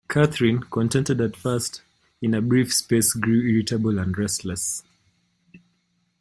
Catherine, contented at first, in a brief space grew irritable and restless.